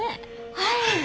はい！